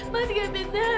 jangan buka pintunya mas